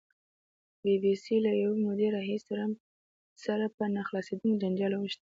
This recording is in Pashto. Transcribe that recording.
بي بي سي له یوې مودې راهیسې ټرمپ سره په نه خلاصېدونکي جنجال اوښتې.